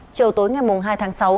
chiều tối ngày hai tháng sáu